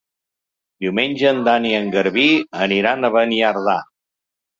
Diumenge en Dan i en Garbí aniran a Beniardà.